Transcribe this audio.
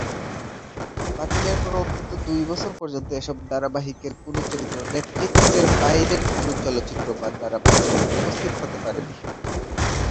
বাতিলের পর অন্তত দুই বছর পর্যন্ত এসব ধারাবাহিকের কোন চরিত্র নেটফ্লিক্সের বাইরের কোন চলচ্চিত্র বা ধারাবাহিকে উপস্থিত হতে পারেনি।